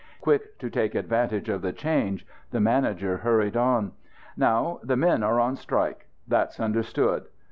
Quick to take advantage of the change, the manager hurried on: "Now, the men are on strike. That's understood.